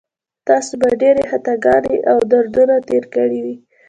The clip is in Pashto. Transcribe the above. تاسو به ډېرې خطاګانې او دردونه تېر کړي وي.